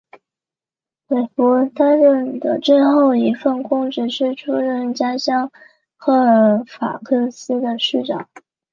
韦弗担任的最后一份公职是出任家乡科尔法克斯的市长。